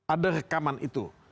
ada rekaman itu